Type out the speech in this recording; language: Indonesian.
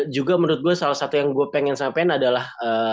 juga menurut gue salah satu yang gue pengen sampaikan adalah